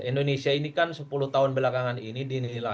indonesia ini kan sepuluh tahun belakangan ini dinilai